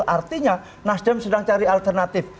artinya nasdem sedang cari alternatif